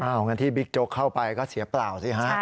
งั้นที่บิ๊กโจ๊กเข้าไปก็เสียเปล่าสิฮะ